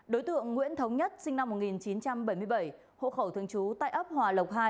đối tượng nguyễn thống nhất sinh năm một nghìn chín trăm bảy mươi bảy hộ khẩu thường trú tại ấp hòa lộc hai